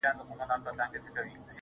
د دې مئين سړي اروا چي څوک په زړه وچيچي,